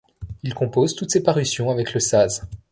Il compose toutes ses parutions avec le saz.